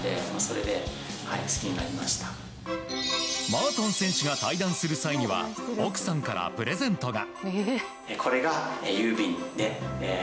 マートン選手が対談する際には奥さんからプレゼントが。